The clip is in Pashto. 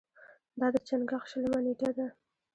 دا د چنګاښ شلمه نېټه ده.